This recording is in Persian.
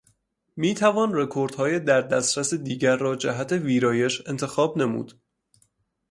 می توان رکوردهای در دسترس دیگر را جهت ویرایش انتخاب نمود.